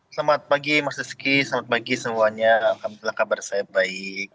selamat pagi mas rizky selamat pagi semuanya alhamdulillah kabar saya baik